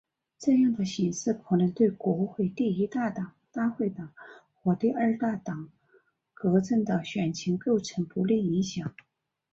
这样的形势可能对国会第一大党大会党和第二大党革阵的选情构成不利影响。